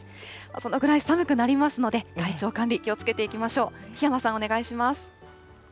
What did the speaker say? そのぐらい寒くなりますので体調管理、気をつけていきましょう。